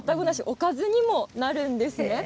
おかずにもなるんですね。